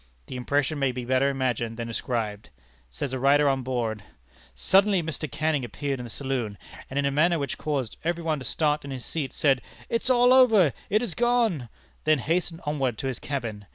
The impression may be better imagined than described. Says a writer on board: "Suddenly Mr. Canning appeared in the saloon, and in a manner which caused every one to start in his seat, said, 'It is all over! It is gone!' then hastened onward to his cabin.